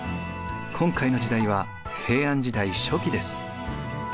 今回の時代は平安時代初期です。